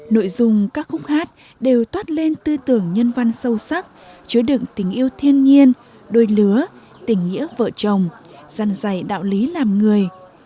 nội dung các khúc hát đều toát lên tư tưởng nhân văn sâu sắc chứa đựng tình yêu thiên nhiên đôi lứa tình nghĩa vợ chồng dăn dày đạo lý làm người